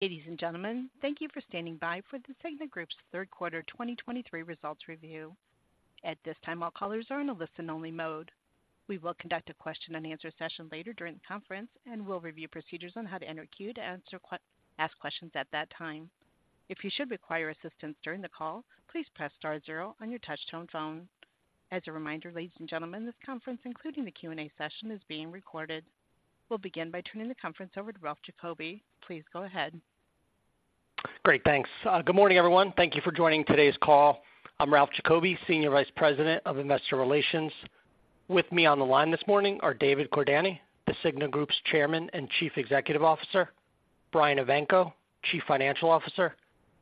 Ladies and gentlemen, thank you for standing by for The Cigna Group's Third Quarter 2023 Results Review. At this time, all callers are in a listen-only mode. We will conduct a question-and-answer session later during the conference, and we'll review procedures on how to enter queue to ask questions at that time. If you should require assistance during the call, please press star zero on your touchtone phone. As a reminder, ladies and gentlemen, this conference, including the Q&A session, is being recorded. We'll begin by turning the conference over to Ralph Giacobbe. Please go ahead. Great, thanks. Good morning, everyone. Thank you for joining today's call. I'm Ralph Giacobbe, Senior Vice President of Investor Relations. With me on the line this morning are David Cordani, The Cigna Group's Chairman and Chief Executive Officer, Brian Evanko, Chief Financial Officer,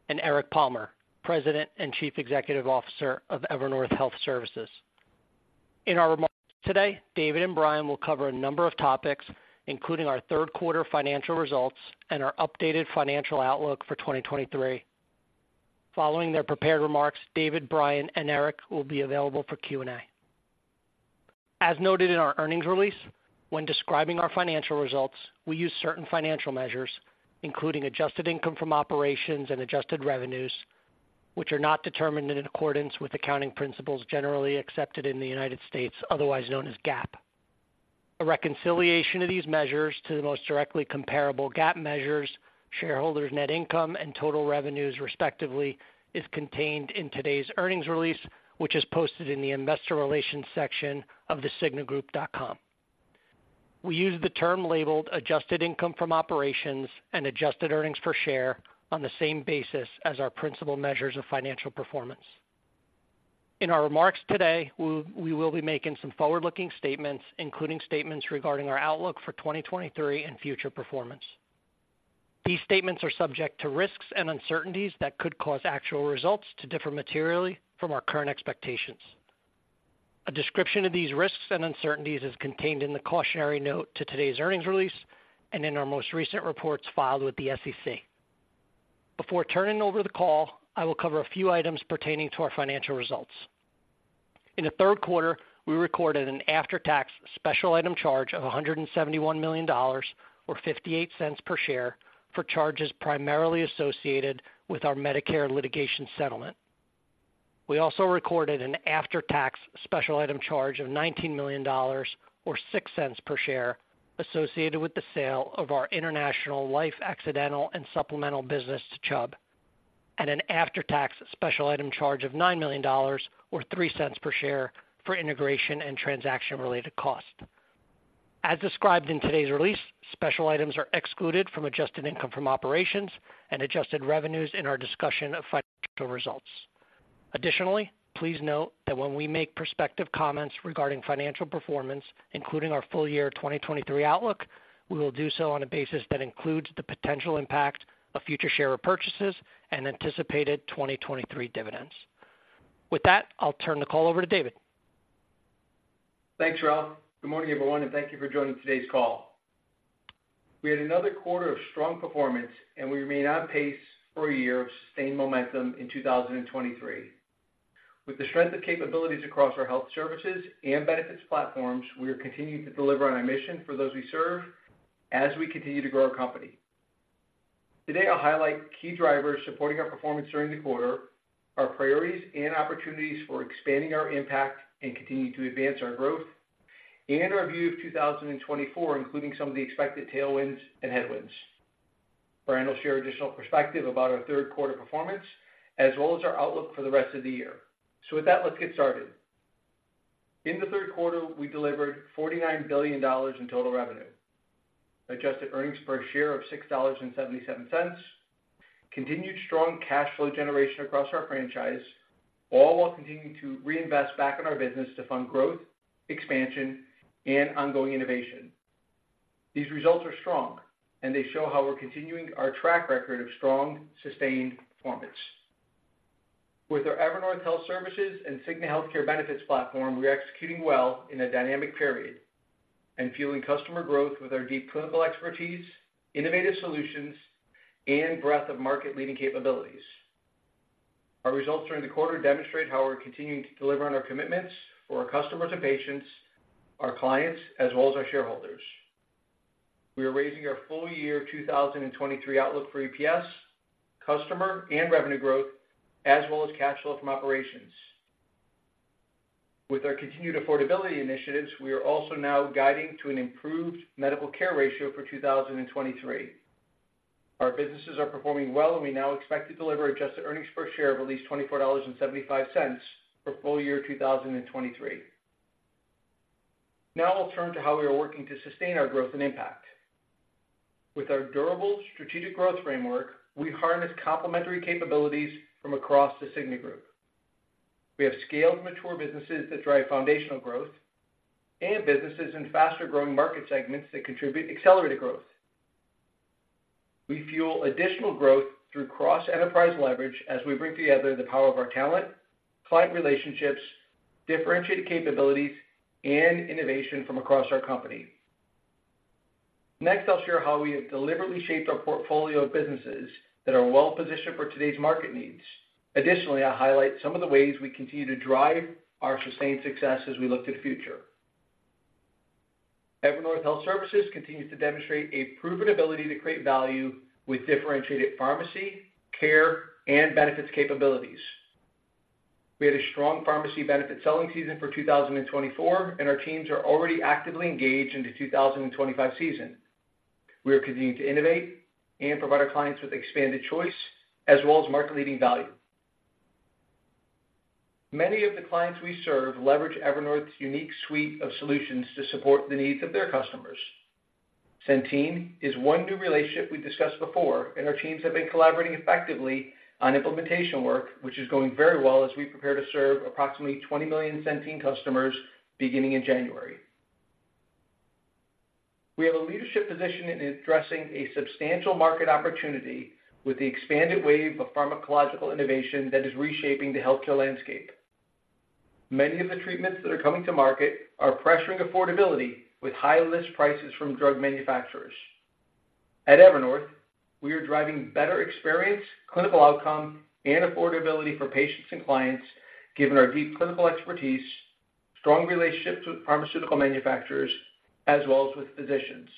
and Eric Palmer, President and Chief Executive Officer of Evernorth Health Services. In our remarks today, David and Brian will cover a number of topics, including our third quarter financial results and our updated financial outlook for 2023. Following their prepared remarks, David, Brian, and Eric will be available for Q&A. As noted in our earnings release, when describing our financial results, we use certain financial measures, including adjusted income from operations and adjusted revenues, which are not determined in accordance with accounting principles generally accepted in the United States, otherwise known as GAAP. A reconciliation of these measures to the most directly comparable GAAP measures, shareholders' net income and total revenues, respectively, is contained in today's earnings release, which is posted in the investor relations section of thecignagroup.com. We use the term labeled adjusted income from operations and adjusted earnings per share on the same basis as our principal measures of financial performance. In our remarks today, we will be making some forward-looking statements, including statements regarding our outlook for 2023 and future performance. These statements are subject to risks and uncertainties that could cause actual results to differ materially from our current expectations. A description of these risks and uncertainties is contained in the cautionary note to today's earnings release and in our most recent reports filed with the SEC. Before turning over the call, I will cover a few items pertaining to our financial results. In the third quarter, we recorded an after-tax special item charge of $171 million, or 58 cents per share, for charges primarily associated with our Medicare litigation settlement. We also recorded an after-tax special item charge of $19 million, or 6 cents per share, associated with the sale of our international life, accidental, and supplemental business to Chubb, and an after-tax special item charge of $9 million, or 3 cents per share, for integration and transaction-related costs. As described in today's release, special items are excluded from adjusted income from operations and adjusted revenues in our discussion of financial results. Additionally, please note that when we make prospective comments regarding financial performance, including our full year 2023 outlook, we will do so on a basis that includes the potential impact of future share purchases and anticipated 2023 dividends. With that, I'll turn the call over to David. Thanks, Ralph. Good morning, everyone, and thank you for joining today's call. We had another quarter of strong performance, and we remain on pace for a year of sustained momentum in 2023. With the strength and capabilities across our health services and benefits platforms, we are continuing to deliver on our mission for those we serve as we continue to grow our company. Today, I'll highlight key drivers supporting our performance during the quarter, our priorities and opportunities for expanding our impact and continuing to advance our growth, and our view of 2024, including some of the expected tailwinds and headwinds. Brian will share additional perspective about our third quarter performance, as well as our outlook for the rest of the year. With that, let's get started. In the third quarter, we delivered $49 billion in total revenue, adjusted earnings per share of $6.77, continued strong cash flow generation across our franchise, all while continuing to reinvest back in our business to fund growth, expansion, and ongoing innovation. These results are strong, and they show how we're continuing our track record of strong, sustained performance. With our Evernorth Health Services and Cigna Healthcare benefits platform, we're executing well in a dynamic period and fueling customer growth with our deep clinical expertise, innovative solutions, and breadth of market-leading capabilities. Our results during the quarter demonstrate how we're continuing to deliver on our commitments for our customers and patients, our clients, as well as our shareholders. We are raising our full year 2023 outlook for EPS, customer and revenue growth, as well as cash flow from operations. With our continued affordability initiatives, we are also now guiding to an improved medical care ratio for 2023. Our businesses are performing well, and we now expect to deliver adjusted earnings per share of at least $24.75 for full year 2023. Now I'll turn to how we are working to sustain our growth and impact. With our durable strategic growth framework, we harness complementary capabilities from across The Cigna Group. We have scaled mature businesses that drive foundational growth and businesses in faster-growing market segments that contribute accelerated growth. We fuel additional growth through cross-enterprise leverage as we bring together the power of our talent, client relationships, differentiated capabilities, and innovation from across our company. Next, I'll share how we have deliberately shaped our portfolio of businesses that are well positioned for today's market needs. Additionally, I'll highlight some of the ways we continue to drive our sustained success as we look to the future. Evernorth Health Services continues to demonstrate a proven ability to create value with differentiated pharmacy, care, and benefits capabilities. We had a strong pharmacy benefit selling season for 2024, and our teams are already actively engaged in the 2025 season. We are continuing to innovate and provide our clients with expanded choice, as well as market-leading value. Many of the clients we serve leverage Evernorth's unique suite of solutions to support the needs of their customers. Centene is one new relationship we've discussed before, and our teams have been collaborating effectively on implementation work, which is going very well as we prepare to serve approximately 20 million Centene customers beginning in January. We have a leadership position in addressing a substantial market opportunity with the expanded wave of pharmacological innovation that is reshaping the healthcare landscape. Many of the treatments that are coming to market are pressuring affordability with high list prices from drug manufacturers. At Evernorth, we are driving better experience, clinical outcome, and affordability for patients and clients, given our deep clinical expertise, strong relationships with pharmaceutical manufacturers, as well as with physicians.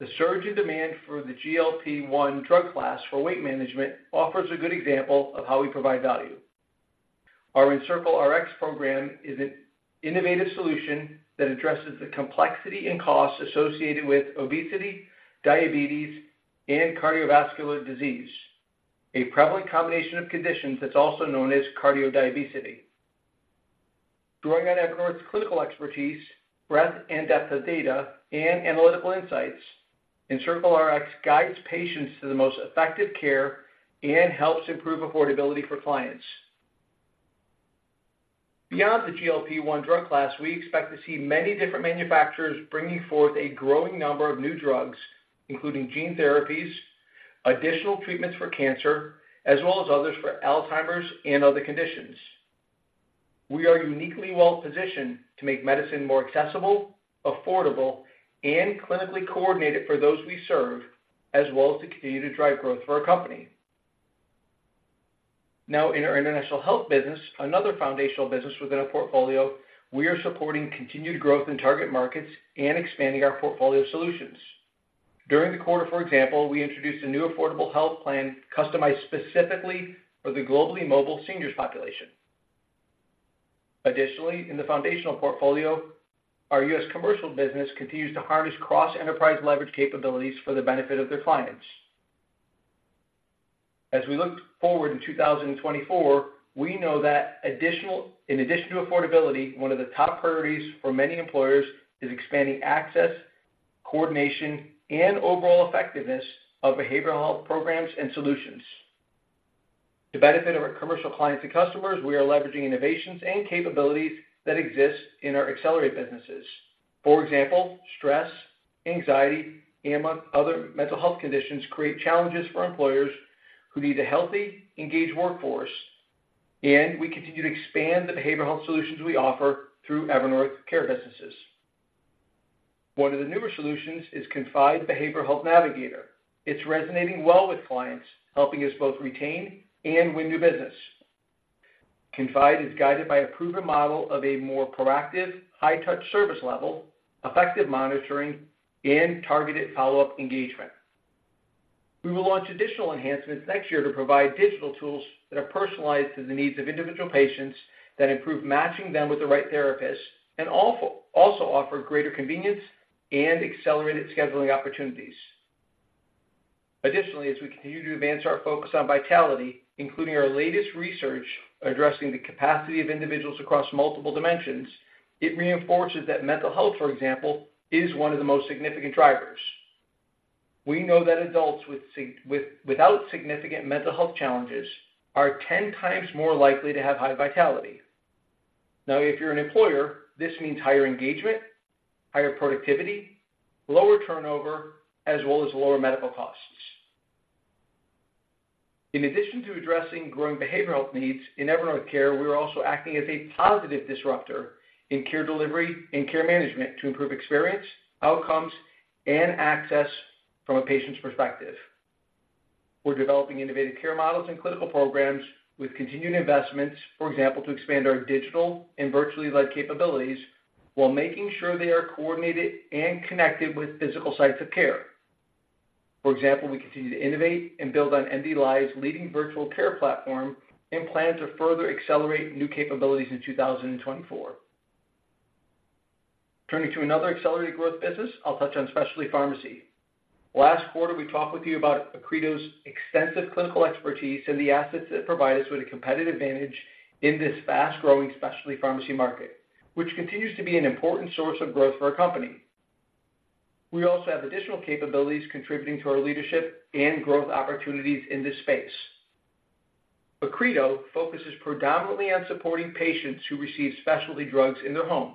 The surge in demand for the GLP-1 drug class for weight management offers a good example of how we provide value. Our EncircleRx program is an innovative solution that addresses the complexity and costs associated with obesity, diabetes, and cardiovascular disease, a prevalent combination of conditions that's also known as cardiodiabesity. Drawing on Evernorth's clinical expertise, breadth, and depth of data and analytical insights, EncircleRx guides patients to the most effective care and helps improve affordability for clients. Beyond the GLP-1 drug class, we expect to see many different manufacturers bringing forth a growing number of new drugs, including gene therapies, additional treatments for cancer, as well as others for Alzheimer's and other conditions. We are uniquely well-positioned to make medicine more accessible, affordable, and clinically coordinated for those we serve, as well as to continue to drive growth for our company. Now, in our international health business, another foundational business within our portfolio, we are supporting continued growth in target markets and expanding our portfolio of solutions. During the quarter, for example, we introduced a new affordable health plan customized specifically for the globally mobile seniors population. Additionally, in the foundational portfolio, our U.S. commercial business continues to harness cross-enterprise leverage capabilities for the benefit of their clients. As we look forward in 2024, we know that in addition to affordability, one of the top priorities for many employers is expanding access, coordination, and overall effectiveness of behavioral health programs and solutions. To benefit our commercial clients and customers, we are leveraging innovations and capabilities that exist in our Evernorth businesses. For example, stress, anxiety, and other mental health conditions create challenges for employers who need a healthy, engaged workforce, and we continue to expand the behavioral health solutions we offer through Evernorth Care businesses. One of the newer solutions is Confide Behavioral Health Navigator. It's resonating well with clients, helping us both retain and win new business. Confide is guided by a proven model of a more proactive, high-touch service level, effective monitoring, and targeted follow-up engagement. We will launch additional enhancements next year to provide digital tools that are personalized to the needs of individual patients, that improve matching them with the right therapist, and also offer greater convenience and accelerated scheduling opportunities. Additionally, as we continue to advance our focus on Vitality, including our latest research addressing the capacity of individuals across multiple dimensions, it reinforces that mental health, for example, is one of the most significant drivers. We know that adults without significant mental health challenges are ten times more likely to have high Vitality. Now, if you're an employer, this means higher engagement, higher productivity, lower turnover, as well as lower medical costs. In addition to addressing growing behavioral health needs in Evernorth Care, we are also acting as a positive disruptor in care delivery and care management to improve experience, outcomes, and access from a patient's perspective. We're developing innovative care models and clinical programs with continued investments, for example, to expand our digital and virtually led capabilities while making sure they are coordinated and connected with physical sites of care. For example, we continue to innovate and build on MDLIVE's leading virtual care platform and plan to further accelerate new capabilities in 2024. Turning to another accelerated growth business, I'll touch on specialty pharmacy. Last quarter, we talked with you about Accredo's extensive clinical expertise and the assets that provide us with a competitive advantage in this fast-growing specialty pharmacy market, which continues to be an important source of growth for our company. We also have additional capabilities contributing to our leadership and growth opportunities in this space. Accredo focuses predominantly on supporting patients who receive specialty drugs in their home.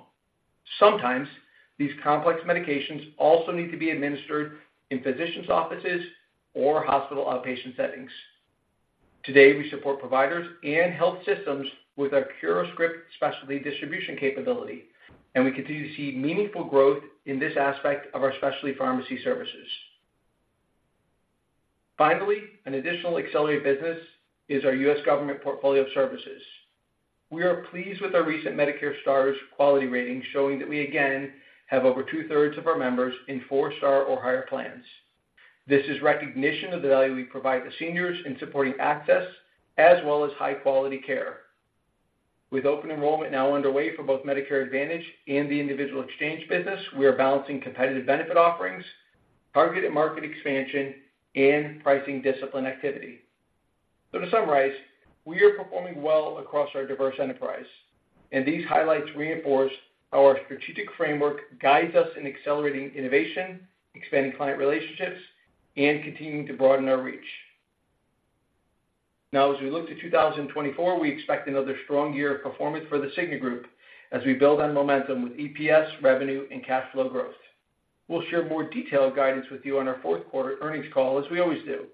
Sometimes, these complex medications also need to be administered in physicians' offices or hospital outpatient settings. Today, we support providers and health systems with our CuraScript specialty distribution capability, and we continue to see meaningful growth in this aspect of our specialty pharmacy services. Finally, an additional accelerated business is our U.S. government portfolio of services. We are pleased with our recent Medicare Stars quality rating, showing that we again have over two-thirds of our members in 4-star or higher plans. This is recognition of the value we provide to seniors in supporting access as well as high-quality care. With open enrollment now underway for both Medicare Advantage and the individual exchange business, we are balancing competitive benefit offerings, targeted market expansion, and pricing discipline activity. So to summarize, we are performing well across our diverse enterprise, and these highlights reinforce how our strategic framework guides us in accelerating innovation, expanding client relationships, and continuing to broaden our reach. Now, as we look to 2024, we expect another strong year of performance for The Cigna Group as we build on momentum with EPS, revenue, and cash flow growth. We'll share more detailed guidance with you on our fourth quarter earnings call, as we always do.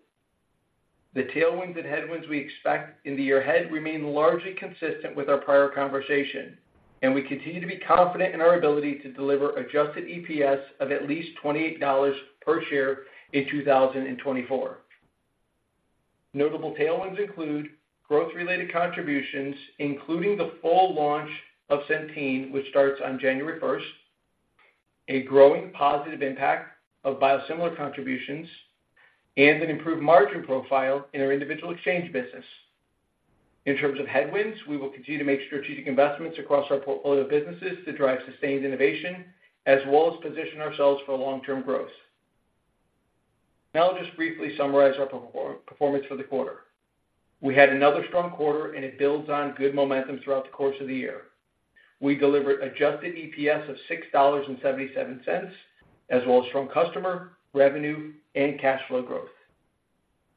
The tailwinds and headwinds we expect in the year ahead remain largely consistent with our prior conversation, and we continue to be confident in our ability to deliver adjusted EPS of at least $28 per share in 2024. Notable tailwinds include growth-related contributions, including the full launch of Centene, which starts on January 1st, a growing positive impact of biosimilar contributions, and an improved margin profile in our individual exchange business. In terms of headwinds, we will continue to make strategic investments across our portfolio of businesses to drive sustained innovation, as well as position ourselves for long-term growth. Now I'll just briefly summarize our performance for the quarter. We had another strong quarter, and it builds on good momentum throughout the course of the year. We delivered adjusted EPS of $6.77, as well as strong customer, revenue, and cash flow growth.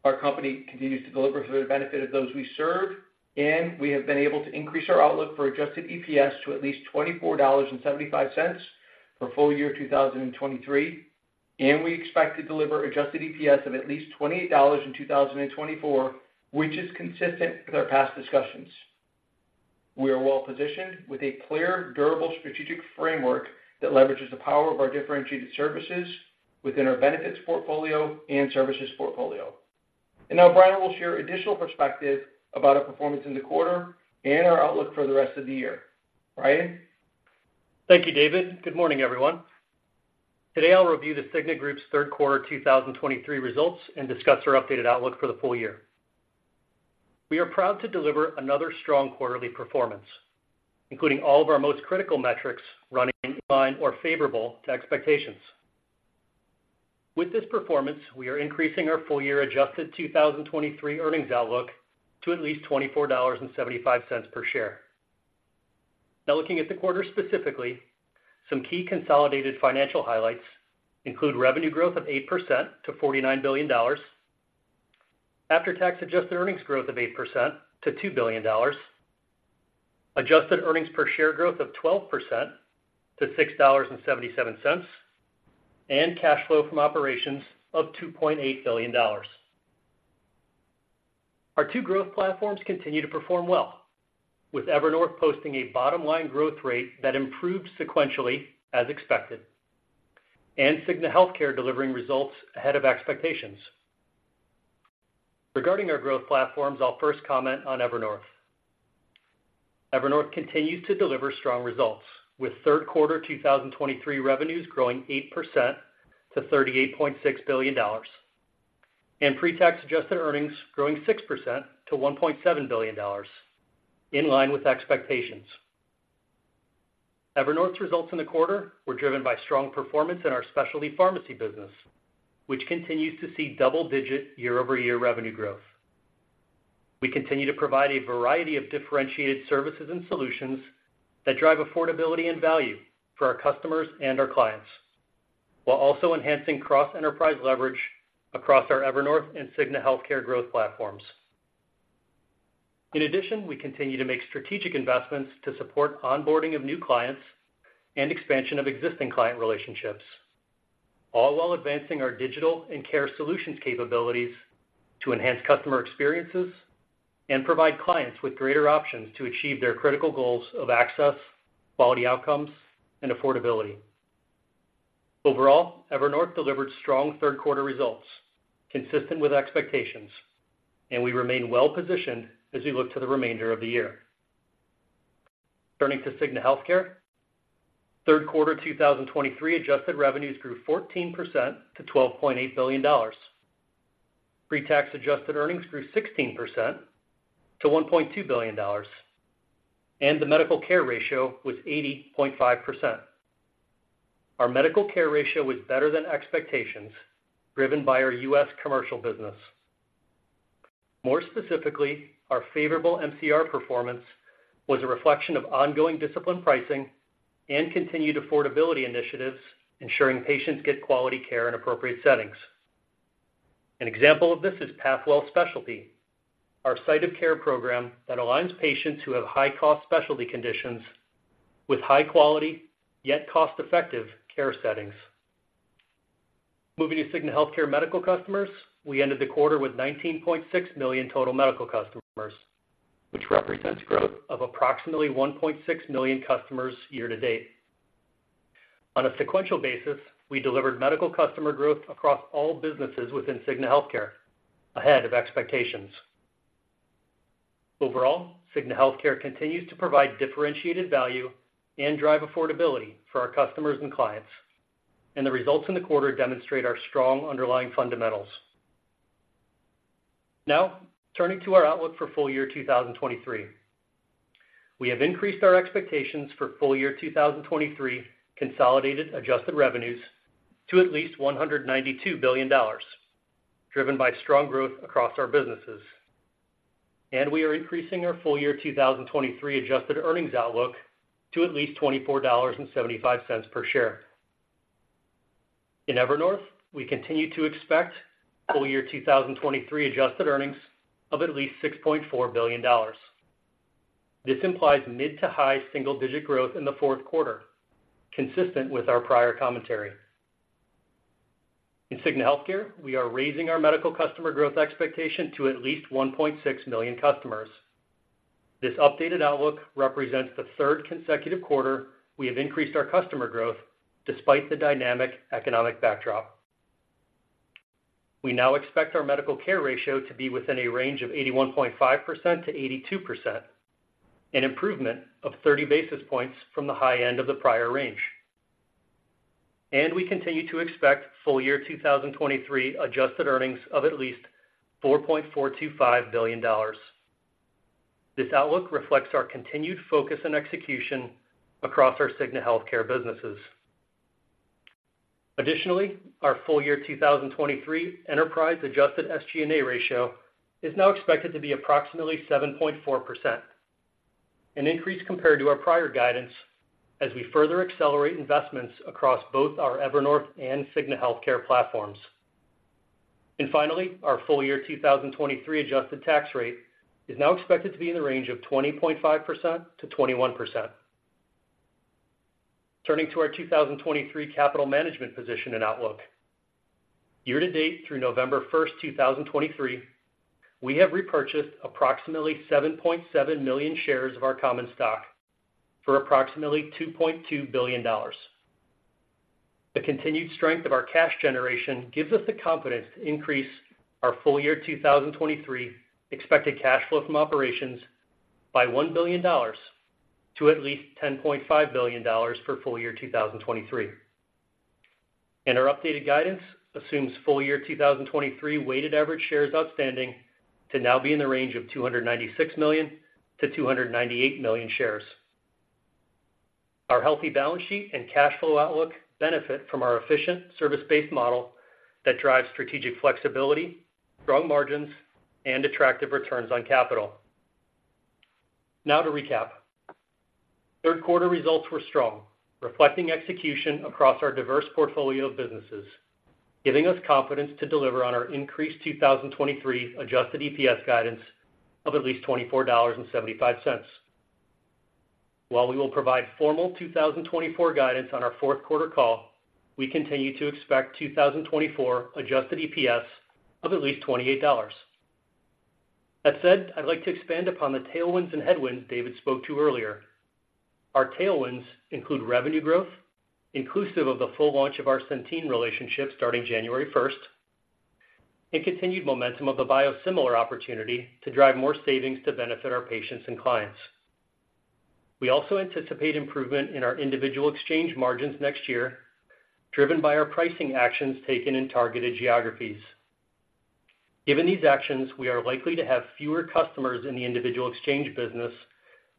Our company continues to deliver for the benefit of those we serve, and we have been able to increase our outlook for adjusted EPS to at least $24.75 for full year 2023, and we expect to deliver adjusted EPS of at least $28 in 2024, which is consistent with our past discussions. We are well positioned with a clear, durable, strategic framework that leverages the power of our differentiated services within our benefits portfolio and services portfolio. And now Brian will share additional perspective about our performance in the quarter and our outlook for the rest of the year. Brian? Thank you, David. Good morning, everyone. Today, I'll review The Cigna Group's third quarter 2023 results and discuss our updated outlook for the full year. We are proud to deliver another strong quarterly performance, including all of our most critical metrics running in line or favorable to expectations. With this performance, we are increasing our full-year adjusted 2023 earnings outlook to at least $24.75 per share. Now, looking at the quarter specifically, some key consolidated financial highlights include revenue growth of 8% to $49 billion, after-tax adjusted earnings growth of 8% to $2 billion, adjusted earnings per share growth of 12% to $6.77, and cash flow from operations of $2.8 billion. Our two growth platforms continue to perform well, with Evernorth posting a bottom-line growth rate that improved sequentially as expected, and Cigna Healthcare delivering results ahead of expectations. Regarding our growth platforms, I'll first comment on Evernorth. Evernorth continues to deliver strong results, with third quarter 2023 revenues growing 8% to $38.6 billion, and pre-tax adjusted earnings growing 6% to $1.7 billion, in line with expectations. Evernorth's results in the quarter were driven by strong performance in our specialty pharmacy business, which continues to see double-digit year-over-year revenue growth. We continue to provide a variety of differentiated services and solutions that drive affordability and value for our customers and our clients, while also enhancing cross-enterprise leverage across our Evernorth and Cigna Healthcare growth platforms. In addition, we continue to make strategic investments to support onboarding of new clients and expansion of existing client relationships, all while advancing our digital and care solutions capabilities to enhance customer experiences and provide clients with greater options to achieve their critical goals of access, quality outcomes, and affordability. Overall, Evernorth delivered strong third quarter results consistent with expectations, and we remain well positioned as we look to the remainder of the year. Turning to Cigna Healthcare, third quarter 2023 adjusted revenues grew 14% to $12.8 billion. Pre-tax adjusted earnings grew 16% to $1.2 billion, and the medical care ratio was 80.5%. Our medical care ratio was better than expectations, driven by our U.S. commercial business. More specifically, our favorable MCR performance was a reflection of ongoing disciplined pricing and continued affordability initiatives, ensuring patients get quality care in appropriate settings. An example of this is Pathwell Specialty, our site of care program that aligns patients who have high-cost specialty conditions with high quality, yet cost-effective care settings. Moving to Cigna Healthcare medical customers, we ended the quarter with 19.6 million total medical customers, which represents growth of approximately 1.6 million customers year to date. On a sequential basis, we delivered medical customer growth across all businesses within Cigna Healthcare, ahead of expectations. Overall, Cigna Healthcare continues to provide differentiated value and drive affordability for our customers and clients, and the results in the quarter demonstrate our strong underlying fundamentals. Now, turning to our outlook for full year 2023. We have increased our expectations for full year 2023 consolidated adjusted revenues to at least $192 billion, driven by strong growth across our businesses. We are increasing our full year 2023 adjusted earnings outlook to at least $24.75 per share. In Evernorth, we continue to expect full year 2023 adjusted earnings of at least $6.4 billion. This implies mid- to high-single-digit growth in the fourth quarter, consistent with our prior commentary. In Cigna Healthcare, we are raising our medical customer growth expectation to at least 1.6 million customers. This updated outlook represents the third consecutive quarter we have increased our customer growth despite the dynamic economic backdrop. We now expect our medical care ratio to be within a range of 81.5%-82%, an improvement of 30 basis points from the high end of the prior range. We continue to expect full year 2023 adjusted earnings of at least $4.425 billion. This outlook reflects our continued focus and execution across our Cigna Healthcare businesses. Additionally, our full year 2023 enterprise adjusted SG&A ratio is now expected to be approximately 7.4%, an increase compared to our prior guidance as we further accelerate investments across both our Evernorth and Cigna Healthcare platforms. Finally, our full year 2023 adjusted tax rate is now expected to be in the range of 20.5%-21%. Turning to our 2023 capital management position and outlook. Year to date through November 1, 2023, we have repurchased approximately 7.7 million shares of our common stock for approximately $2.2 billion. The continued strength of our cash generation gives us the confidence to increase our full year 2023 expected cash flow from operations by $1 billion to at least $10.5 billion for full year 2023. Our updated guidance assumes full year 2023 weighted average shares outstanding to now be in the range of 296 million-298 million shares. Our healthy balance sheet and cash flow outlook benefit from our efficient service-based model that drives strategic flexibility, strong margins, and attractive returns on capital. Now to recap. Third quarter results were strong, reflecting execution across our diverse portfolio of businesses, giving us confidence to deliver on our increased 2023 adjusted EPS guidance of at least $24.75. While we will provide formal 2024 guidance on our fourth quarter call, we continue to expect 2024 adjusted EPS of at least $28. That said, I'd like to expand upon the tailwinds and headwinds David spoke to earlier. Our tailwinds include revenue growth, inclusive of the full launch of our Centene relationship starting January 1, and continued momentum of the biosimilar opportunity to drive more savings to benefit our patients and clients. We also anticipate improvement in our individual exchange margins next year, driven by our pricing actions taken in targeted geographies. Given these actions, we are likely to have fewer customers in the individual exchange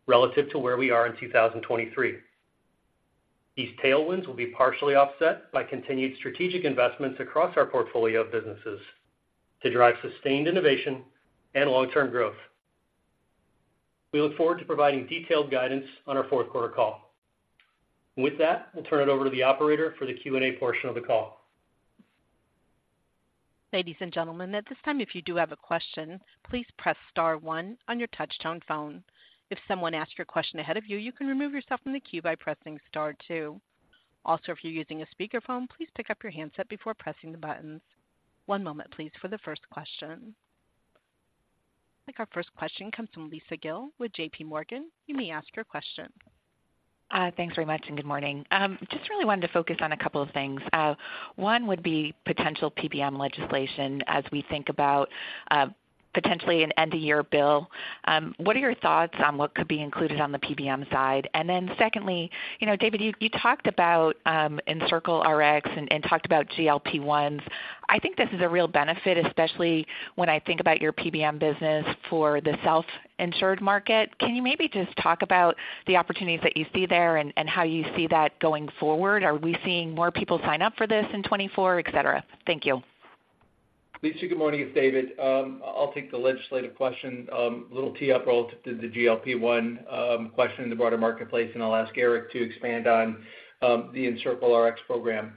business relative to where we are in 2023. These tailwinds will be partially offset by continued strategic investments across our portfolio of businesses to drive sustained innovation and long-term growth. We look forward to providing detailed guidance on our fourth quarter call. With that, I'll turn it over to the operator for the Q&A portion of the call. Ladies and gentlemen, at this time, if you do have a question, please press star one on your touchtone phone. If someone asks your question ahead of you, you can remove yourself from the queue by pressing star two. Also, if you're using a speakerphone, please pick up your handset before pressing the buttons. One moment, please, for the first question. I think our first question comes from Lisa Gill with JPMorgan. You may ask your question. Thanks very much, and good morning. Just really wanted to focus on a couple of things. One would be potential PBM legislation as we think about, potentially an end-of-year bill. What are your thoughts on what could be included on the PBM side? And then secondly, you know, David, you talked about EncircleRx and talked about GLP-1s. I think this is a real benefit, especially when I think about your PBM business for the self-insured market. Can you maybe just talk about the opportunities that you see there and how you see that going forward? Are we seeing more people sign up for this in 2024, et cetera? Thank you. Lisa, good morning. It's David. I'll take the legislative question, a little tee up relative to the GLP-1 question in the broader marketplace, and I'll ask Eric to expand on the EncircleRx program.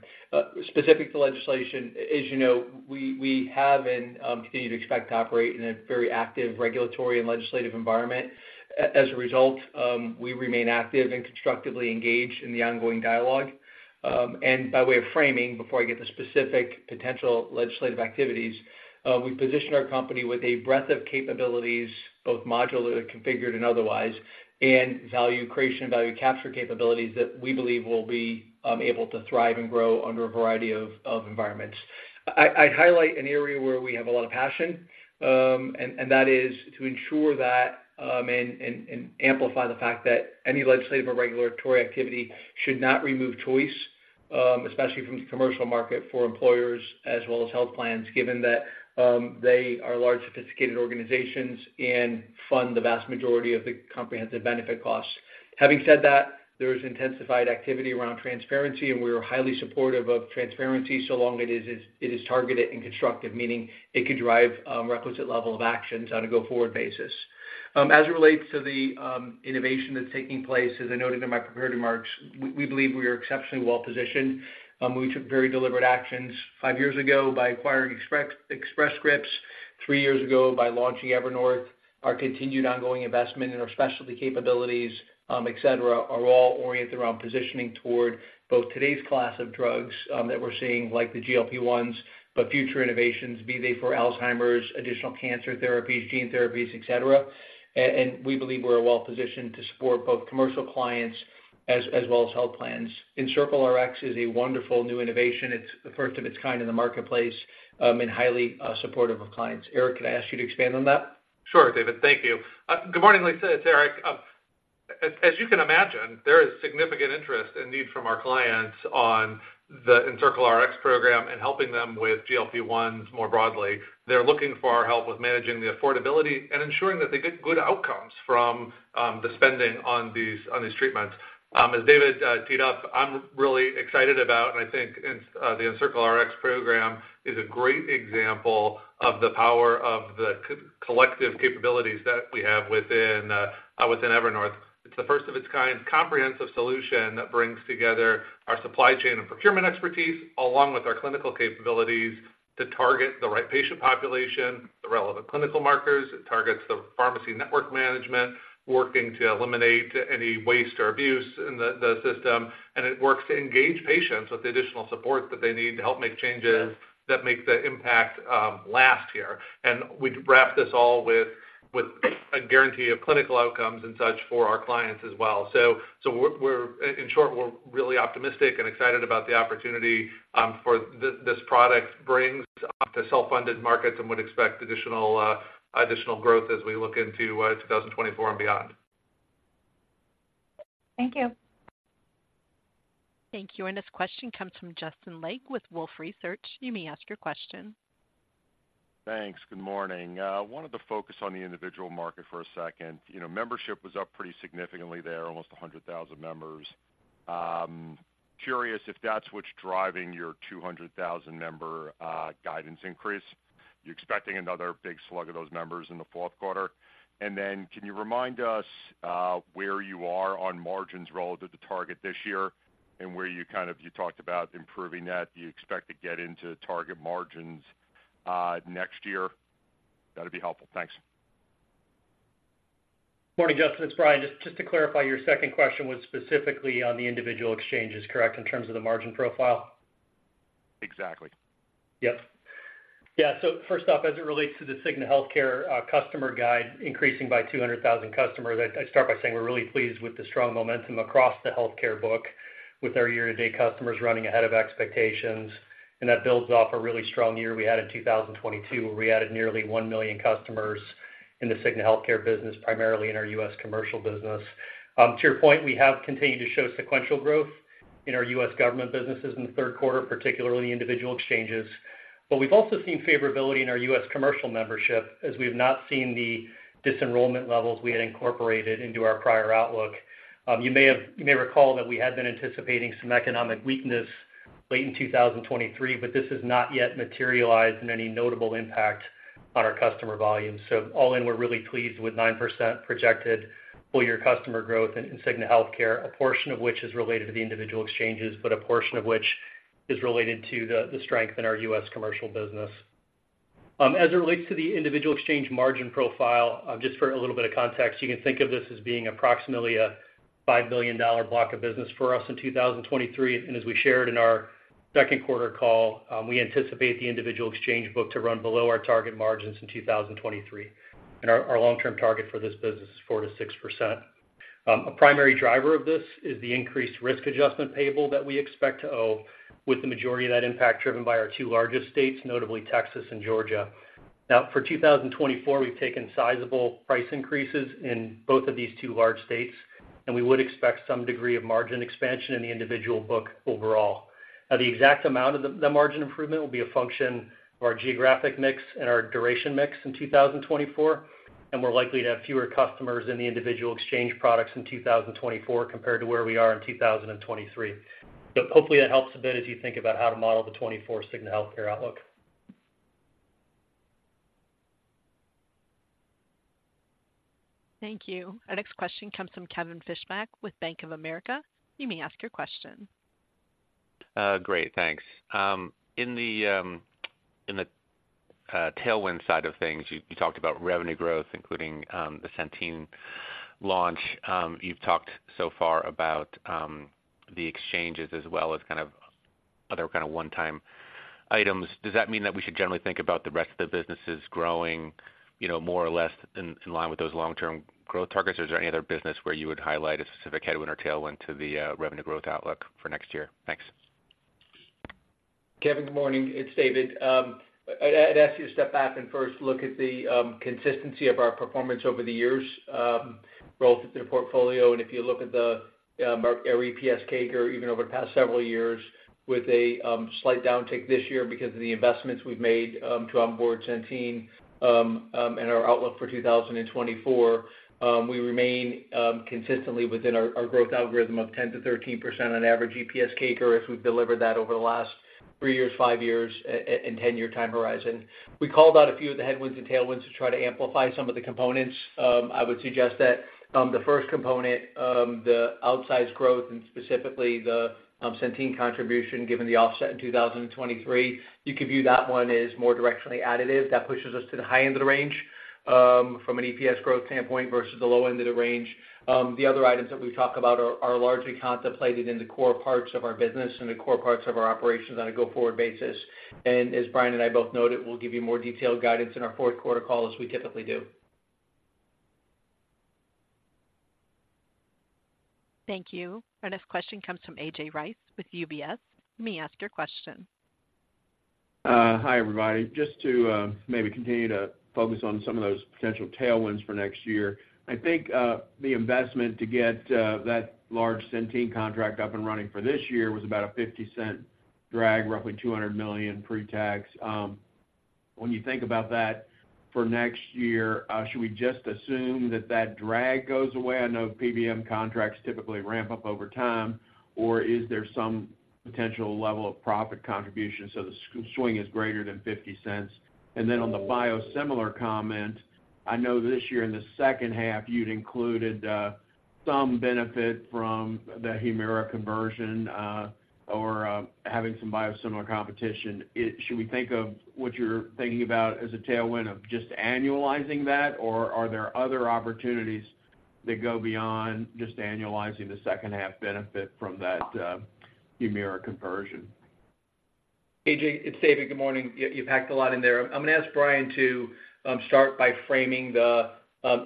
Specific to legislation, as you know, we have and continue to expect to operate in a very active regulatory and legislative environment. As a result, we remain active and constructively engaged in the ongoing dialogue. And by way of framing, before I get to specific potential legislative activities, we position our company with a breadth of capabilities, both modularly configured and otherwise, and value creation and value capture capabilities that we believe will be able to thrive and grow under a variety of environments. I'd highlight an area where we have a lot of passion, and that is to ensure that and amplify the fact that any legislative or regulatory activity should not remove choice, especially from the commercial market for employers as well as health plans, given that they are large, sophisticated organizations and fund the vast majority of the comprehensive benefit costs. Having said that, there is intensified activity around transparency, and we are highly supportive of transparency, so long it is, it is targeted and constructive, meaning it could drive requisite level of actions on a go-forward basis. As it relates to the innovation that's taking place, as I noted in my prepared remarks, we believe we are exceptionally well positioned. We took very deliberate actions five years ago by acquiring Express Scripts, three years ago by launching Evernorth. Our continued ongoing investment in our specialty capabilities, et cetera, are all oriented around positioning toward both today's class of drugs that we're seeing, like the GLP-1s, but future innovations, be they for Alzheimer's, additional cancer therapies, gene therapies, et cetera. And we believe we're well positioned to support both commercial clients as well as health plans. EncircleRx is a wonderful new innovation. It's the first of its kind in the marketplace, and highly supportive of clients. Eric, could I ask you to expand on that? Sure, David. Thank you. Good morning, Lisa, it's Eric. As you can imagine, there is significant interest and need from our clients on the EncircleRx program and helping them with GLP-1s more broadly. They're looking for our help with managing the affordability and ensuring that they get good outcomes from the spending on these, on these treatments. As David teed up, I'm really excited about, and I think the EncircleRx program is a great example of the power of the collective capabilities that we have within Evernorth. It's the first of its kind, comprehensive solution that brings together our supply chain and procurement expertise, along with our clinical capabilities to target the right patient population, the relevant clinical markers. It targets the pharmacy network management, working to eliminate any waste or abuse in the system, and it works to engage patients with the additional support that they need to help make changes that make the impact last here. We'd wrap this all with a guarantee of clinical outcomes and such for our clients as well. In short, we're really optimistic and excited about the opportunity this product brings to self-funded markets and would expect additional growth as we look into 2024 and beyond. Thank you. Thank you. This question comes from Justin Lake with Wolfe Research. You may ask your question. Thanks. Good morning. Wanted to focus on the individual market for a second. You know, membership was up pretty significantly there, almost 100,000 members. Curious if that's what's driving your 200,000 member guidance increase. You're expecting another big slug of those members in the fourth quarter. And then can you remind us where you are on margins relative to target this year and where you kind of—you talked about improving that. Do you expect to get into target margins next year? That'd be helpful. Thanks. Morning, Justin, it's Brian. Just to clarify, your second question was specifically on the individual exchanges, correct, in terms of the margin profile? Exactly. Yep. Yeah, first off, as it relates to the Cigna Healthcare customer guide increasing by 200,000 customers, I'd start by saying we're really pleased with the strong momentum across the healthcare book, with our year-to-date customers running ahead of expectations. That builds off a really strong year we had in 2022, where we added nearly 1 million customers in the Cigna Healthcare business, primarily in our U.S. commercial business. To your point, we have continued to show sequential growth in our U.S. government businesses in the third quarter, particularly individual exchanges. We've also seen favorability in our U.S. commercial membership, as we've not seen the disenrollment levels we had incorporated into our prior outlook. You may recall that we had been anticipating some economic weakness late in 2023, but this has not yet materialized in any notable impact on our customer volumes. So all in, we're really pleased with 9% projected full year customer growth in Cigna Healthcare, a portion of which is related to the individual exchanges, but a portion of which is related to the, the strength in our U.S. commercial business. As it relates to the individual exchange margin profile, just for a little bit of context, you can think of this as being approximately a $5 billion block of business for us in 2023. As we shared in our second quarter call, we anticipate the individual exchange book to run below our target margins in 2023, and our long-term target for this business is 4%-6%. A primary driver of this is the increased risk adjustment payable that we expect to owe, with the majority of that impact driven by our two largest states, notably Texas and Georgia. Now, for 2024, we've taken sizable price increases in both of these 2 large states, and we would expect some degree of margin expansion in the individual book overall. Now, the exact amount of the margin improvement will be a function of our geographic mix and our duration mix in 2024, and we're likely to have fewer customers in the individual exchange products in 2024 compared to where we are in 2023. But hopefully, that helps a bit as you think about how to model the 2024 Cigna Healthcare outlook. Thank you. Our next question comes from Kevin Fischbeck with Bank of America. You may ask your question. Great, thanks. In the tailwind side of things, you talked about revenue growth, including the Centene launch. You've talked so far about the exchanges as well as kind of other one-time items. Does that mean that we should generally think about the rest of the businesses growing, you know, more or less in line with those long-term growth targets? Or is there any other business where you would highlight a specific headwind or tailwind to the revenue growth outlook for next year? Thanks. Kevin, good morning, it's David. I'd ask you to step back and first look at the consistency of our performance over the years, both in the portfolio, and if you look at our EPS CAGR, even over the past several years, with a slight downtick this year because of the investments we've made to onboard Centene, and our outlook for 2024, we remain consistently within our growth algorithm of 10%-13% on average EPS CAGR, as we've delivered that over the last three years, five years, and 10-year time horizon. We called out a few of the headwinds and tailwinds to try to amplify some of the components. I would suggest that the first component, the outsized growth, and specifically the Centene contribution, given the offset in 2023, you can view that one as more directionally additive. That pushes us to the high end of the range, from an EPS growth standpoint versus the low end of the range. The other items that we talk about are largely contemplated in the core parts of our business and the core parts of our operations on a go-forward basis. And as Brian and I both noted, we'll give you more detailed guidance in our fourth quarter call, as we typically do. Thank you. Our next question comes from A.J. Rice with UBS. You may ask your question. Hi, everybody. Just to maybe continue to focus on some of those potential tailwinds for next year, I think, the investment to get that large Centene contract up and running for this year was about a $0.50 drag, roughly $200 million pre-tax. When you think about that for next year, should we just assume that that drag goes away? I know PBM contracts typically ramp up over time, or is there some potential level of profit contribution, so the swing is greater than 50 cents? And then on the biosimilar comment, I know this year, in the second half, you'd included some benefit from the Humira conversion, or having some biosimilar competition. Should we think of what you're thinking about as a tailwind of just annualizing that, or are there other opportunities that go beyond just annualizing the second half benefit from that, Humira conversion? A.J., it's David. Good morning. You, you packed a lot in there. I'm gonna ask Brian to start by framing the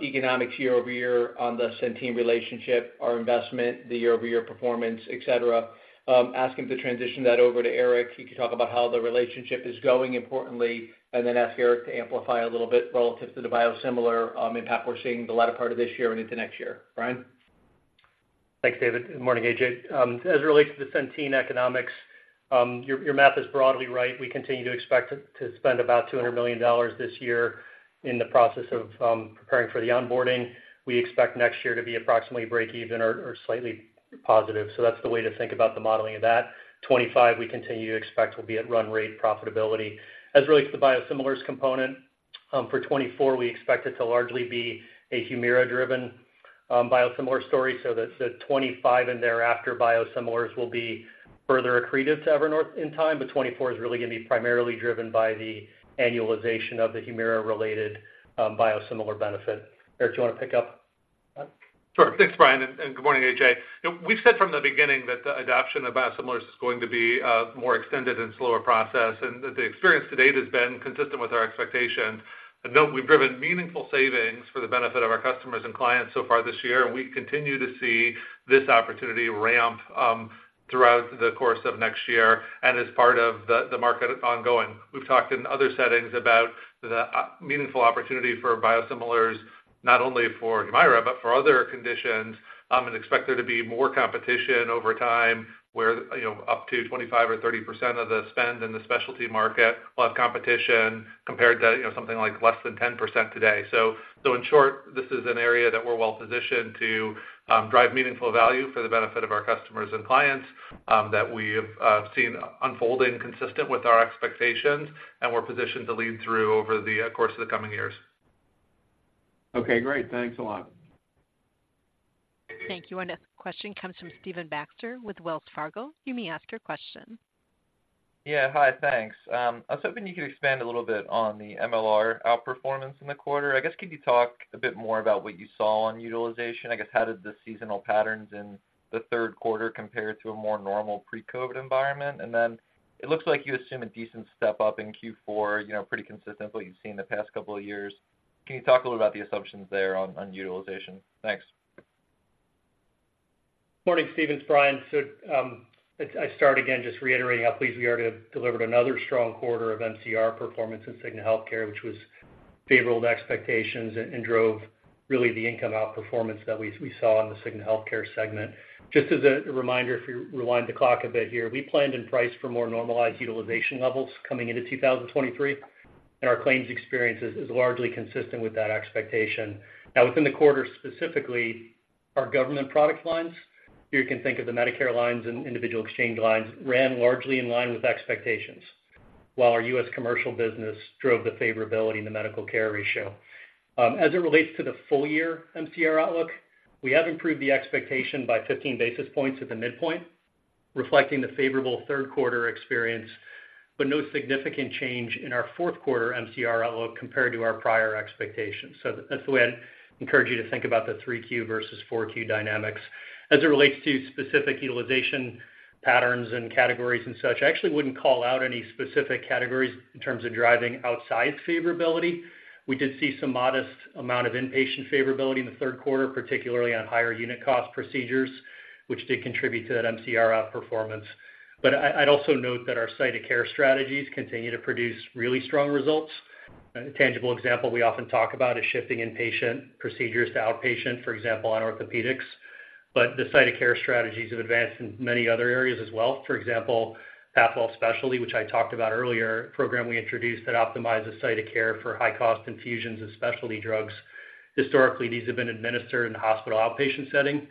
economics year-over-year on the Centene relationship, our investment, the year-over-year performance, et cetera. Ask him to transition that over to Eric. He could talk about how the relationship is going, importantly, and then ask Eric to amplify a little bit relative to the biosimilar impact we're seeing the latter part of this year and into next year. Brian? Thanks, David. Good morning, AJ. As it relates to the Centene economics, your math is broadly right. We continue to expect to spend about $200 million this year in the process of preparing for the onboarding. We expect next year to be approximately breakeven or slightly positive. So that's the way to think about the modeling of that. 2025, we continue to expect will be at run-rate profitability. As it relates to the biosimilars component, for 2024, we expect it to largely be a Humira-driven biosimilar story. So that the 2025 and thereafter biosimilars will be further accretive to Evernorth in time, but 2024 is really gonna be primarily driven by the annualization of the Humira-related biosimilar benefit. Eric, do you want to pick up on that? Sure. Thanks, Brian, and good morning, A.J. You know, we've said from the beginning that the adoption of biosimilars is going to be more extended and slower process, and the experience to date has been consistent with our expectations. And note, we've driven meaningful savings for the benefit of our customers and clients so far this year, and we continue to see this opportunity ramp throughout the course of next year and as part of the market ongoing. We've talked in other settings about the meaningful opportunity for biosimilars, not only for Humira, but for other conditions, and expect there to be more competition over time, where, you know, up to 25 or 30% of the spend in the specialty market will have competition, compared to, you know, something like less than 10% today. So in short, this is an area that we're well positioned to drive meaningful value for the benefit of our customers and clients that we have seen unfolding consistent with our expectations, and we're positioned to lead through over the course of the coming years. Okay, great. Thanks a lot. Thank you. Our next question comes from Stephen Baxter with Wells Fargo. You may ask your question. Yeah. Hi, thanks. I was hoping you could expand a little bit on the MLR outperformance in the quarter. I guess, could you talk a bit more about what you saw on utilization? I guess, how did the seasonal patterns in the third quarter compare to a more normal pre-COVID environment? And then it looks like you assume a decent step-up in Q4, you know, pretty consistent with what you've seen in the past couple of years. Can you talk a little about the assumptions there on, on utilization? Thanks. Morning, Stephen, it's Brian. So, I start again just reiterating how pleased we are to have delivered another strong quarter of MCR performance in Cigna Healthcare, which favored expectations and drove really the income outperformance that we saw in the Cigna Healthcare segment. Just as a reminder, if you rewind the clock a bit here, we planned and priced for more normalized utilization levels coming into 2023, and our claims experience is largely consistent with that expectation. Now, within the quarter, specifically, our government product lines, you can think of the Medicare lines and individual exchange lines, ran largely in line with expectations, while our U.S. commercial business drove the favorability in the medical care ratio. As it relates to the full year MCR outlook, we have improved the expectation by 15 basis points at the midpoint, reflecting the favorable third quarter experience, but no significant change in our fourth quarter MCR outlook compared to our prior expectations. So that's the way I'd encourage you to think about the 3Q versus 4Q dynamics. As it relates to specific utilization patterns and categories and such, I actually wouldn't call out any specific categories in terms of driving outsized favorability. We did see some modest amount of inpatient favorability in the third quarter, particularly on higher unit cost procedures, which did contribute to that MCR outperformance. But I'd also note that our site of care strategies continue to produce really strong results. A tangible example we often talk about is shifting inpatient procedures to outpatient, for example, on orthopedics. But the site of care strategies have advanced in many other areas as well. For example, Pathwell Specialty, which I talked about earlier, program we introduced that optimizes site of care for high-cost infusions and specialty drugs. Historically, these have been administered in the hospital outpatient setting.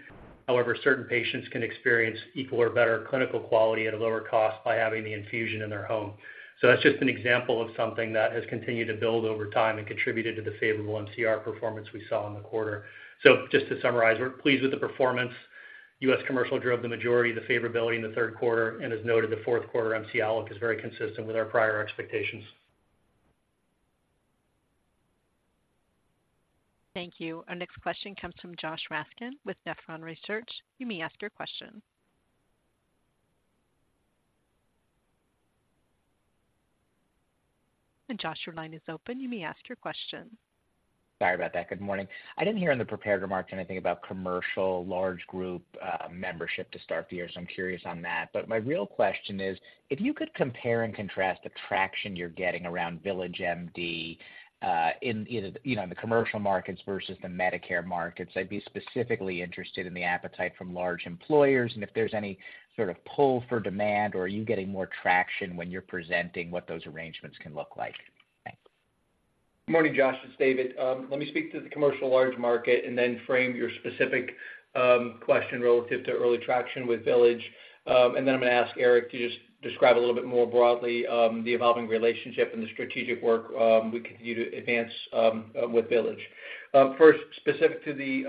However, certain patients can experience equal or better clinical quality at a lower cost by having the infusion in their home. So that's just an example of something that has continued to build over time and contributed to the favorable MCR performance we saw in the quarter. So just to summarize, we're pleased with the performance. U.S. commercial drove the majority of the favorability in the third quarter, and as noted, the fourth quarter MCR look is very consistent with our prior expectations. Thank you. Our next question comes from Josh Raskin with Nephron Research. You may ask your question. Josh, your line is open. You may ask your question. Sorry about that. Good morning. I didn't hear in the prepared remarks anything about commercial large group membership to start the year, so I'm curious on that. But my real question is, if you could compare and contrast the traction you're getting around VillageMD, in you know the commercial markets versus the Medicare markets, I'd be specifically interested in the appetite from large employers, and if there's any sort of pull for demand, or are you getting more traction when you're presenting what those arrangements can look like? Thanks. Good morning, Josh. It's David. Let me speak to the commercial large market and then frame your specific question relative to early traction with Village. And then I'm going to ask Eric to just describe a little bit more broadly the evolving relationship and the strategic work we continue to advance with Village. First, specific to the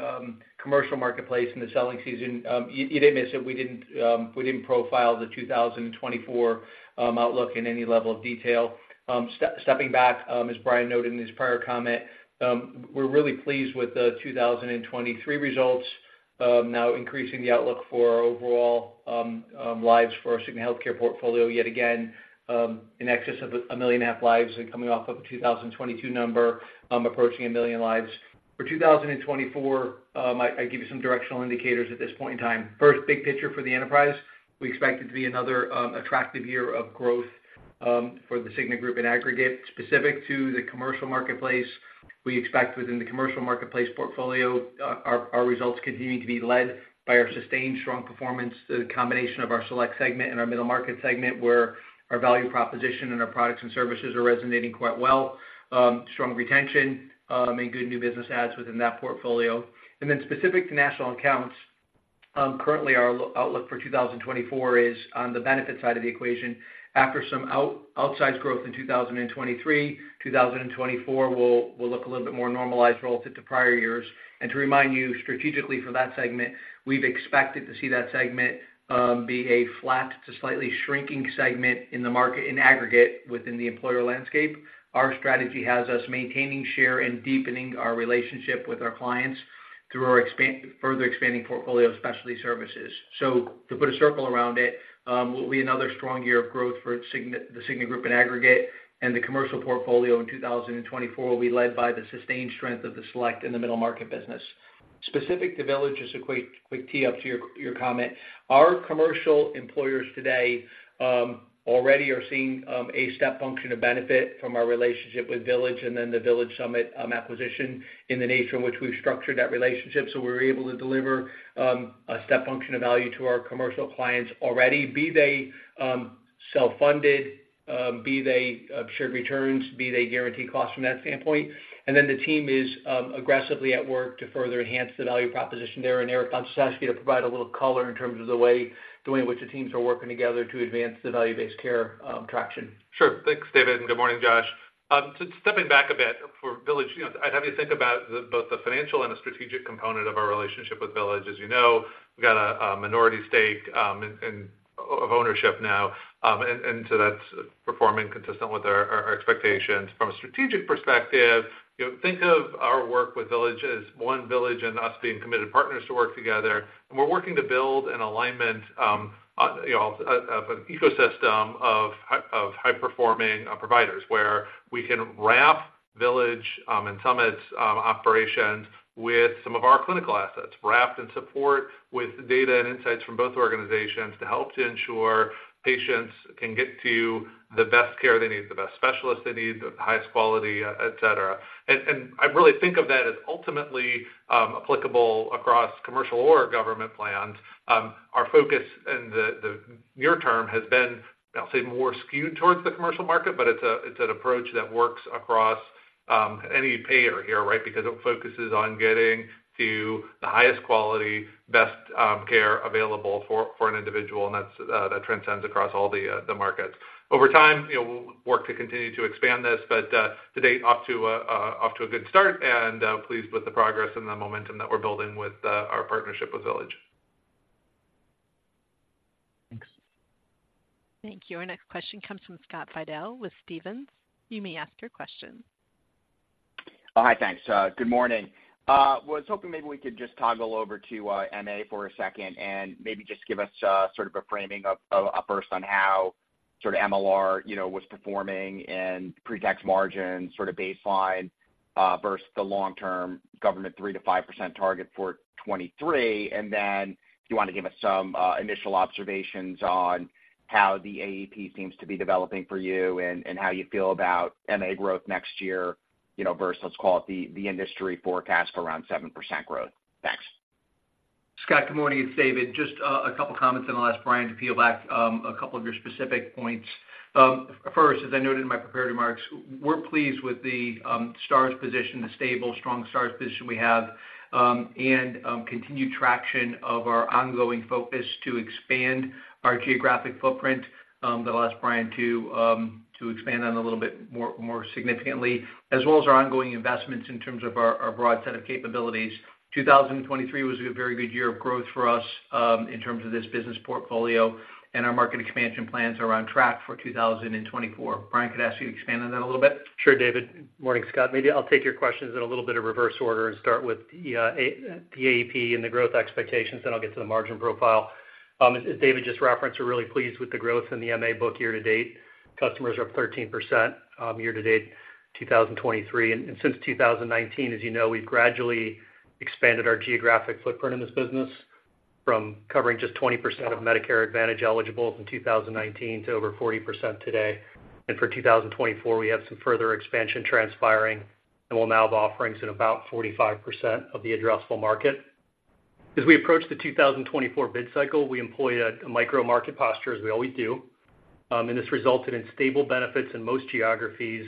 commercial marketplace and the selling season, you did miss it. We didn't profile the 2024 outlook in any level of detail. Stepping back, as Brian noted in his prior comment, we're really pleased with the 2023 results, now increasing the outlook for our overall lives for our Cigna Healthcare portfolio, yet again, in excess of 1.5 million lives and coming off of a 2022 number, approaching 1 million lives. For 2024, I'll give you some directional indicators at this point in time. First, big picture for the enterprise, we expect it to be another attractive year of growth for The Cigna Group in aggregate. Specific to the commercial marketplace, we expect within the commercial marketplace portfolio, our results continue to be led by our sustained strong performance, the combination of our select segment and our middle market segment, where our value proposition and our products and services are resonating quite well, strong retention, and good new business adds within that portfolio. And then specific to national accounts, currently, our outlook for 2024 is on the benefit side of the equation. After some outsized growth in 2023, 2024 will look a little bit more normalized relative to prior years. And to remind you, strategically for that segment, we've expected to see that segment be a flat to slightly shrinking segment in the market in aggregate within the employer landscape. Our strategy has us maintaining share and deepening our relationship with our clients through our further expanding portfolio of specialty services. So to put a circle around it, will be another strong year of growth for Cigna, the Cigna Group in aggregate, and the commercial portfolio in 2024 will be led by the sustained strength of the select and the middle market business. Specific to Village, just a quick tee up to your comment. Our commercial employers today already are seeing a step function of benefit from our relationship with Village and then the Village Summit acquisition in the nature in which we've structured that relationship. So we're able to deliver a step function of value to our commercial clients already, be they self-funded, be they shared returns, be they guaranteed costs from that standpoint. Then the team is aggressively at work to further enhance the value proposition there. And Eric, I'll just ask you to provide a little color in terms of the way, the way in which the teams are working together to advance the value-based care traction. Sure. Thanks, David, and good morning, Josh. So stepping back a bit for Village, you know, I'd have you think about the both the financial and the strategic component of our relationship with Village. As you know, we've got a minority stake in of ownership now, and so that's performing consistent with our expectations. From a strategic perspective, you know, think of our work with Village as one Village and us being committed partners to work together. And we're working to build an alignment, you know, of an ecosystem of high-performing providers, where we can wrap Village and Summit's operations with some of our clinical assets, wrapped in support with data and insights from both organizations to help ensure patients can get to the best care they need, the best specialists they need, the highest quality, et cetera. And I really think of that as ultimately applicable across commercial or government plans. Our focus and the near term has been, I'll say, more skewed towards the commercial market, but it's an approach that works across any payer here, right? Because it focuses on getting to the highest quality, best care available for an individual, and that's that transcends across all the markets. Over time, you know, we'll work to continue to expand this, but, to date, off to a good start and, pleased with the progress and the momentum that we're building with, our partnership with Village. Thanks. Thank you. Our next question comes from Scott Fidel with Stephens. You may ask your question. Oh, hi, thanks. Good morning. Was hoping maybe we could just toggle over to MA for a second, and maybe just give us sort of a framing of first on how sort of MLR, you know, was performing and pre-tax margin, sort of baseline versus the long-term government 3%-5% target for 2023. And then do you want to give us some initial observations on how the AEP seems to be developing for you, and how you feel about MA growth next year, you know, versus, let's call it, the industry forecast for around 7% growth? Thanks. Scott, good morning, it's David. Just a couple comments, and I'll ask Brian to peel back a couple of your specific points. First, as I noted in my prepared remarks, we're pleased with the Stars position, the stable, strong Stars position we have, and continued traction of our ongoing focus to expand our geographic footprint. That I'll ask Brian to expand on a little bit more, more significantly, as well as our ongoing investments in terms of our broad set of capabilities. 2023 was a very good year of growth for us in terms of this business portfolio, and our market expansion plans are on track for 2024. Brian, could I ask you to expand on that a little bit? Sure, David. Morning, Scott. Maybe I'll take your questions in a little bit of reverse order and start with the AEP and the growth expectations, then I'll get to the margin profile. As David just referenced, we're really pleased with the growth in the MA book year to date. Customers are up 13%, year to date, 2023. And since 2019, as you know, we've gradually expanded our geographic footprint in this business from covering just 20% of Medicare Advantage eligibles in 2019 to over 40% today. And for 2024, we have some further expansion transpiring, and we'll now have offerings in about 45% of the addressable market. As we approach the 2024 bid cycle, we employ a micro-market posture, as we always do. This resulted in stable benefits in most geographies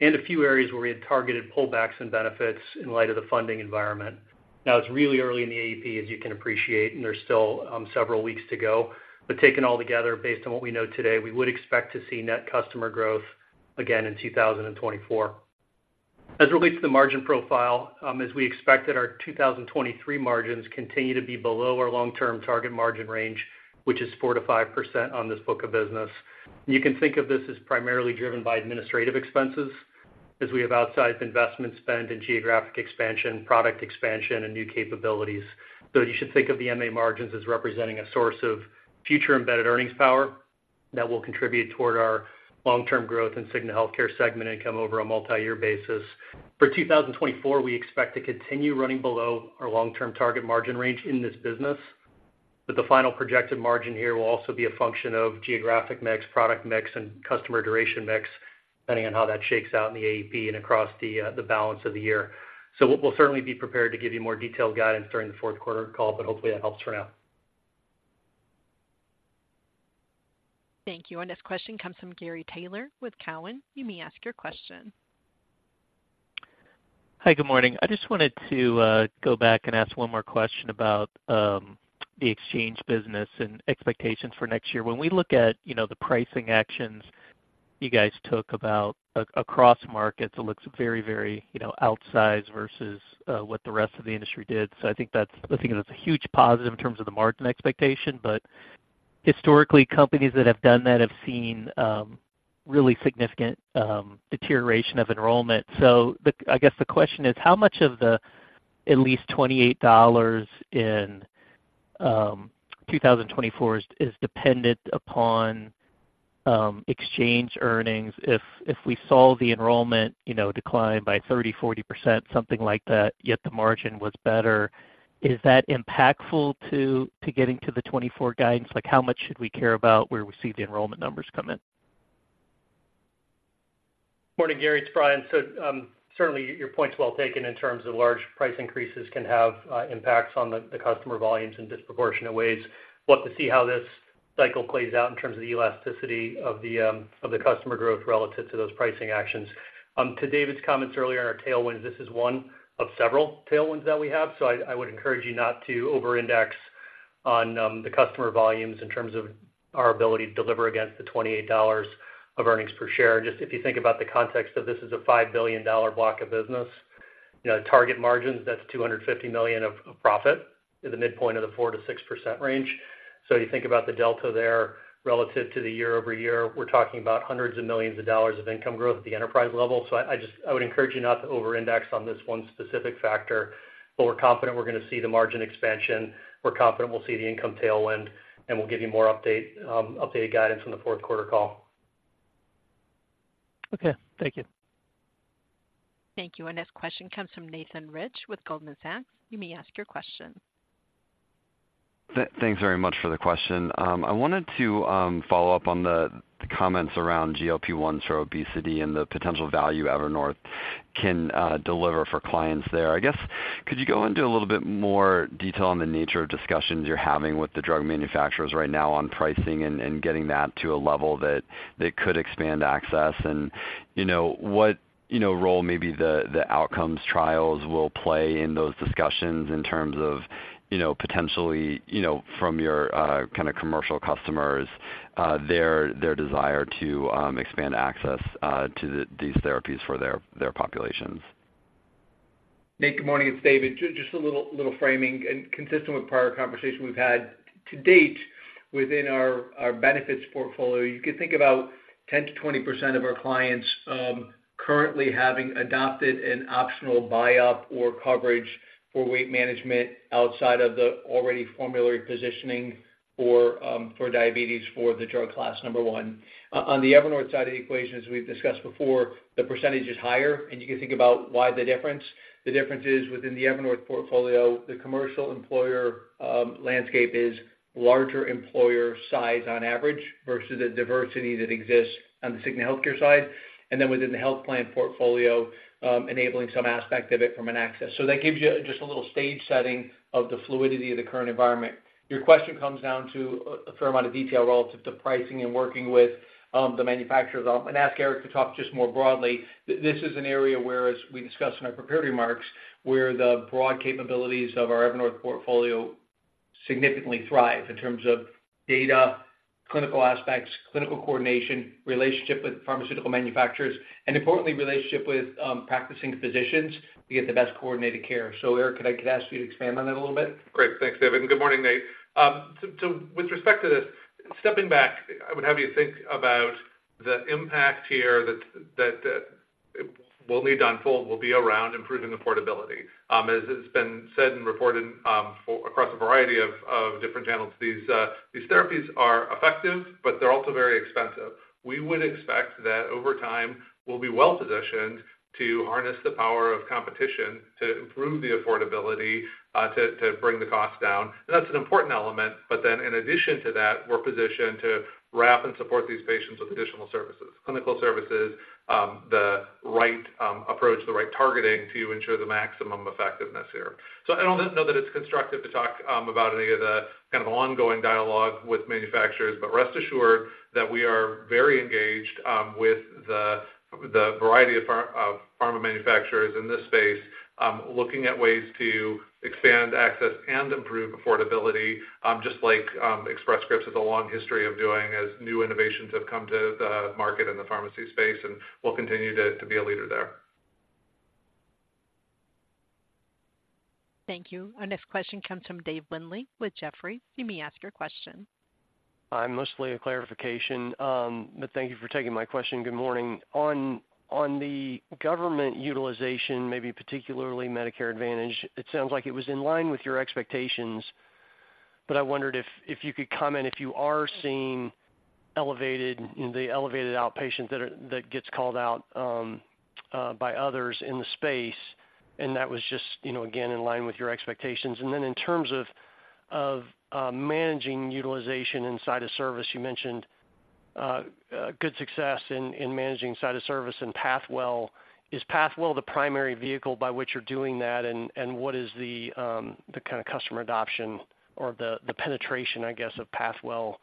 and a few areas where we had targeted pullbacks and benefits in light of the funding environment. Now, it's really early in the AEP, as you can appreciate, and there's still several weeks to go. But taken all together, based on what we know today, we would expect to see net customer growth again in 2024. As it relates to the margin profile, as we expected, our 2023 margins continue to be below our long-term target margin range, which is 4%-5% on this book of business. You can think of this as primarily driven by administrative expenses, as we have outsized investment spend and geographic expansion, product expansion, and new capabilities. So you should think of the MA margins as representing a source of future embedded earnings power that will contribute toward our long-term growth and Cigna Healthcare segment income over a multiyear basis. For 2024, we expect to continue running below our long-term target margin range in this business, but the final projected margin here will also be a function of geographic mix, product mix, and customer duration mix, depending on how that shakes out in the AEP and across the, the balance of the year. So we'll, we'll certainly be prepared to give you more detailed guidance during the fourth quarter call, but hopefully that helps for now. Thank you. Our next question comes from Gary Taylor with Cowen. You may ask your question. Hi, good morning. I just wanted to go back and ask one more question about the exchange business and expectations for next year. When we look at, you know, the pricing actions you guys took about across markets, it looks very, very, you know, outsized versus what the rest of the industry did. So I think that's, I think that's a huge positive in terms of the margin expectation. But historically, companies that have done that have seen really significant deterioration of enrollment. So the question is: How much of the at least $28 in 2024 is dependent upon exchange earnings? If we saw the enrollment, you know, decline by 30%, 40%, something like that, yet the margin was better, is that impactful to getting to the 2024 guidance? Like, how much should we care about where we see the enrollment numbers come in? Morning, Gary, it's Brian. So, certainly your point's well taken in terms of large price increases can have, impacts on the, the customer volumes in disproportionate ways. We'll have to see how this cycle plays out in terms of the elasticity of the customer growth relative to those pricing actions. To David's comments earlier on our tailwinds, this is one of several tailwinds that we have, so I would encourage you not to overindex on, the customer volumes in terms of our ability to deliver against the $28 of earnings per share. Just if you think about the context of this is a $5 billion block of business, you know, target margins, that's $250 million of profit in the midpoint of the 4%-6% range. So you think about the delta there relative to the year-over-year, we're talking about hundreds of millions of dollars of income growth at the enterprise level. So I, I just—I would encourage you not to overindex on this one specific factor, but we're confident we're going to see the margin expansion. We're confident we'll see the income tailwind, and we'll give you more update, updated guidance on the fourth quarter call. Okay, thank you. Thank you. Our next question comes from Nathan Rich with Goldman Sachs. You may ask your question. Thanks very much for the question. I wanted to follow up on the comments around GLP-1 for obesity and the potential value Evernorth can deliver for clients there. I guess, could you go into a little bit more detail on the nature of discussions you're having with the drug manufacturers right now on pricing and getting that to a level that could expand access? And, you know, what, you know, role maybe the outcomes trials will play in those discussions in terms of, you know, potentially, you know, from your kind of commercial customers, their desire to expand access to these therapies for their populations? Nate, good morning, it's David. Just a little framing and consistent with prior conversation we've had. To date within our benefits portfolio, you could think about 10%-20% of our clients currently having adopted an optional buy-up or coverage for weight management outside of the already formulary positioning for diabetes, for the drug class number one. On the Evernorth side of the equation, as we've discussed before, the percentage is higher, and you can think about why the difference. The difference is within the Evernorth portfolio, the commercial employer landscape is larger employer size on average versus the diversity that exists on the Cigna Healthcare side, and then within the health plan portfolio, enabling some aspect of it from an access. So that gives you just a little stage setting of the fluidity of the current environment. Your question comes down to a fair amount of detail relative to pricing and working with the manufacturers. I'll ask Eric to talk just more broadly. This is an area where, as we discussed in our prepared remarks, where the broad capabilities of our Evernorth portfolio significantly thrive in terms of data, clinical aspects, clinical coordination, relationship with pharmaceutical manufacturers, and importantly, relationship with practicing physicians to get the best coordinated care. So Eric, could I ask you to expand on that a little bit? Great. Thanks, David, and good morning, Nate. So with respect to this, stepping back, I would have you think about the impact here that will need to unfold, will be around improving affordability. As has been said and reported, for across a variety of different channels, these therapies are effective, but they're also very expensive. We would expect that over time, we'll be well-positioned to harness the power of competition to improve the affordability, to bring the cost down. And that's an important element, but then in addition to that, we're positioned to wrap and support these patients with additional services, clinical services, the right approach, the right targeting to ensure the maximum effectiveness here. So I don't know that it's constructive to talk about any of the kind of ongoing dialogue with manufacturers, but rest assured that we are very engaged with the variety of pharma manufacturers in this space, looking at ways to expand access and improve affordability, just like Express Scripts has a long history of doing as new innovations have come to the market and the pharmacy space, and we'll continue to be a leader there. Thank you. Our next question comes from Dave Windley with Jefferies. You may ask your question. I'm mostly a clarification, but thank you for taking my question. Good morning. On the government utilization, maybe particularly Medicare Advantage, it sounds like it was in line with your expectations, but I wondered if you could comment if you are seeing elevated, the elevated outpatient that gets called out by others in the space, and that was just, you know, again, in line with your expectations. And then in terms of managing utilization in site of service, you mentioned good success in managing site of service in Pathwell. Is Pathwell the primary vehicle by which you're doing that? And what is the kind of customer adoption or the penetration, I guess, of Pathwell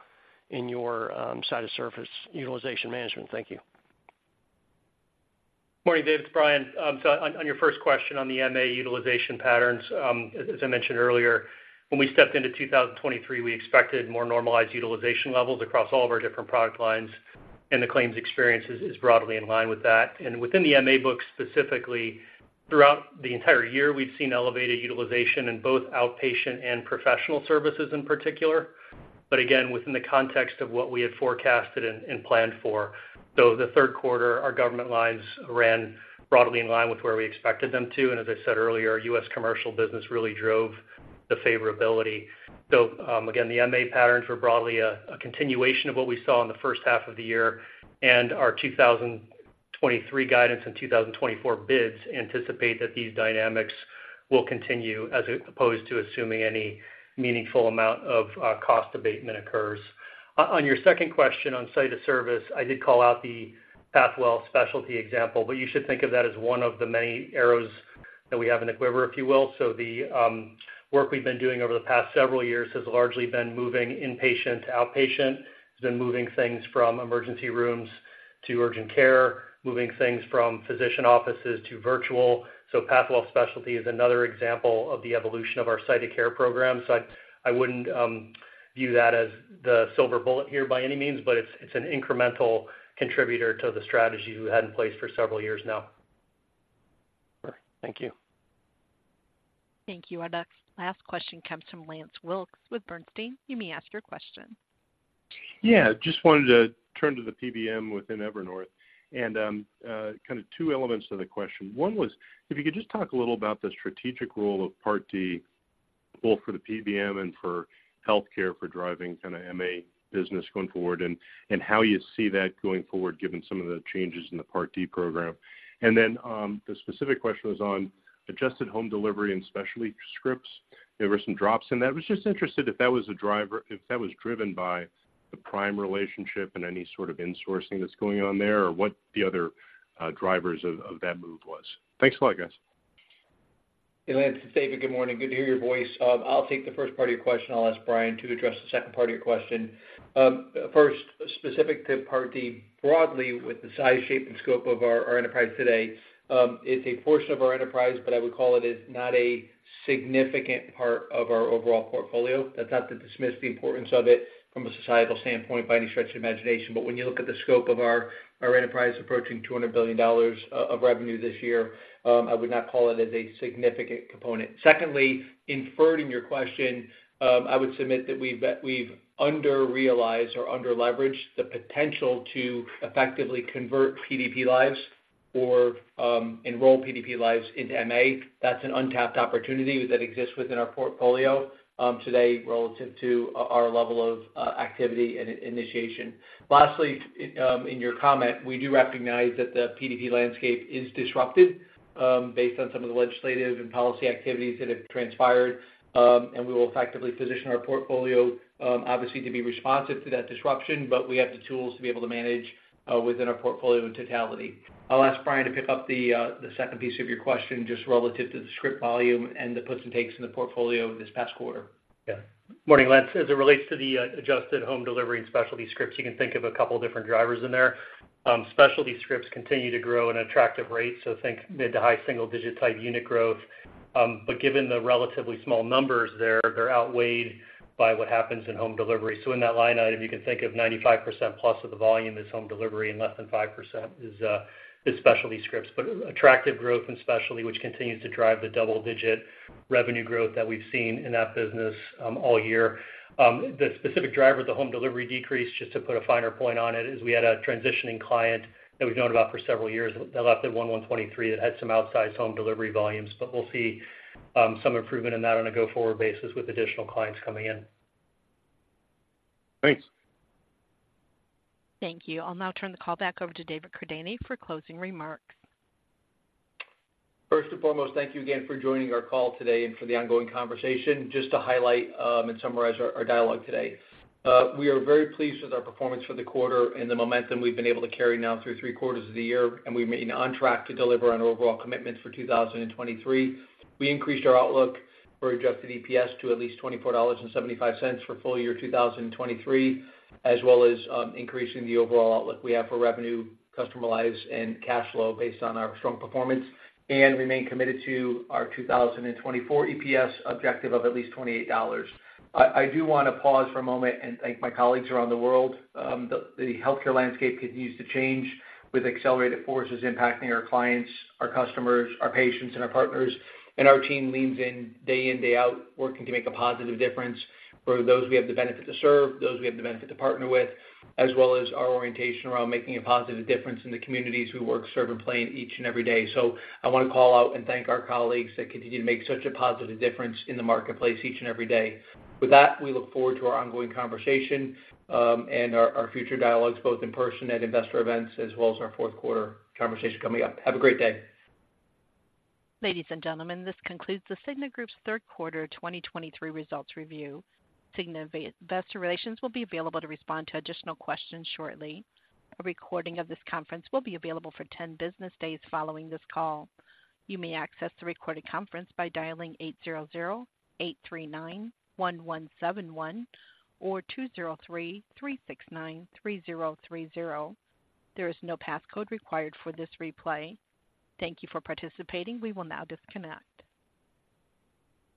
in your site of service utilization management? Thank you. Morning, Dave, it's Brian. So on your first question on the MA utilization patterns, as I mentioned earlier, when we stepped into 2023, we expected more normalized utilization levels across all of our different product lines, and the claims experience is broadly in line with that. Within the MA book specifically, throughout the entire year, we've seen elevated utilization in both outpatient and professional services in particular, but again, within the context of what we had forecasted and planned for. The third quarter, our government lines ran broadly in line with where we expected them to, and as I said earlier, our U.S. commercial business really drove the favorability. So, again, the MA patterns were broadly a continuation of what we saw in the first half of the year, and our 2023 guidance and 2024 bids anticipate that these dynamics will continue, as opposed to assuming any meaningful amount of cost abatement occurs. On your second question on site of service, I did call out the Pathwell Specialty example, but you should think of that as one of the many arrows that we have in the quiver, if you will. So the work we've been doing over the past several years has largely been moving inpatient to outpatient, has been moving things from emergency rooms to urgent care, moving things from physician offices to virtual. So Pathwell Specialty is another example of the evolution of our site of care program. So I wouldn't view that as the silver bullet here by any means, but it's an incremental contributor to the strategy we've had in place for several years now. Thank you. Thank you. Our next last question comes from Lance Wilkes with Bernstein. You may ask your question. Yeah, just wanted to turn to the PBM within Evernorth. And, kind of two elements to the question. One was, if you could just talk a little about the strategic role of Part D, both for the PBM and for healthcare, for driving kind of MA business going forward, and how you see that going forward, given some of the changes in the Part D program. And then, the specific question was on adjusted home delivery and specialty scripts. There were some drops in that. I was just interested if that was a driver, if that was driven by the Prime relationship and any sort of insourcing that's going on there, or what the other drivers of that move was. Thanks a lot, guys. Hey, Lance, it's David. Good morning. Good to hear your voice. I'll take the first part of your question. I'll ask Brian to address the second part of your question. First, specific to Part D, broadly, with the size, shape, and scope of our enterprise today, it's a portion of our enterprise, but I would call it is not a significant part of our overall portfolio. That's not to dismiss the importance of it from a societal standpoint by any stretch of the imagination, but when you look at the scope of our enterprise approaching $200 billion of revenue this year, I would not call it as a significant component. Secondly, inferred in your question, I would submit that we've under-realized or underleveraged the potential to effectively convert PDP lives or, enroll PDP lives into MA. That's an untapped opportunity that exists within our portfolio, today relative to our level of, activity and initiation. Lastly, in your comment, we do recognize that the PDP landscape is disrupted, based on some of the legislative and policy activities that have transpired. And we will effectively position our portfolio, obviously, to be responsive to that disruption, but we have the tools to be able to manage, within our portfolio in totality. I'll ask Brian to pick up the, the second piece of your question, just relative to the script volume and the puts and takes in the portfolio this past quarter. Yeah. Morning, Lance. As it relates to the adjusted home delivery and specialty scripts, you can think of a couple different drivers in there. Specialty scripts continue to grow at an attractive rate, so think mid- to high-single-digit type unit growth. But given the relatively small numbers there, they're outweighed by what happens in home delivery. So in that line item, you can think of 95%+ of the volume is home delivery and less than 5% is specialty scripts. But attractive growth in specialty, which continues to drive the double-digit revenue growth that we've seen in that business all year. The specific driver of the home delivery decrease, just to put a finer point on it, is we had a transitioning client that we've known about for several years. They left at January 1, 2023. That had some outsized home delivery volumes, but we'll see some improvement in that on a go-forward basis with additional clients coming in. Thanks. Thank you. I'll now turn the call back over to David Cordani for closing remarks. First and foremost, thank you again for joining our call today and for the ongoing conversation. Just to highlight and summarize our dialogue today. We are very pleased with our performance for the quarter and the momentum we've been able to carry now through three quarters of the year, and we remain on track to deliver on our overall commitments for 2023. We increased our outlook for adjusted EPS to at least $24.75 for full year 2023, as well as increasing the overall outlook we have for revenue, customer lives, and cash flow based on our strong performance, and remain committed to our 2024 EPS objective of at least $28. I do want to pause for a moment and thank my colleagues around the world. The healthcare landscape continues to change with accelerated forces impacting our clients, our customers, our patients, and our partners. Our team leans in day in, day out, working to make a positive difference for those we have the benefit to serve, those we have the benefit to partner with, as well as our orientation around making a positive difference in the communities we work, serve, and play in each and every day. I want to call out and thank our colleagues that continue to make such a positive difference in the marketplace each and every day. With that, we look forward to our ongoing conversation and our future dialogues, both in person at investor events as well as our fourth quarter conversation coming up. Have a great day. Ladies and gentlemen, this concludes The Cigna Group's third quarter 2023 results review. Cigna Investor Relations will be available to respond to additional questions shortly. A recording of this conference will be available for 10 business days following this call. You may access the recorded conference by dialing 800-839-1171 or 203-369-3030. There is no passcode required for this replay. Thank you for participating. We will now disconnect.